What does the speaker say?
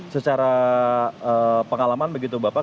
secara pengalaman begitu bapak